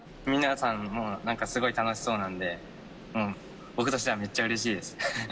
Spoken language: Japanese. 皆さんも何かすごい楽しそうなんで僕としてはめっちゃうれしいです。